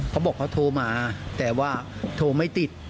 เขาบอกเขาโทรมาแต่ว่าโทรไม่ติด